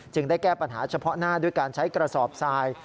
ได้แก้ปัญหาเฉพาะหน้าด้วยการใช้กระสอบทราย